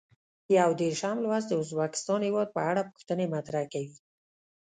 یو دېرشم لوست د ازبکستان هېواد په اړه پوښتنې مطرح کوي.